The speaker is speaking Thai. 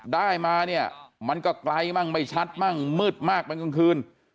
ได้มาเนี่ยมันก็ไกลมั่งไม่ชัดมั่งมืดมากเป็นกลางคืน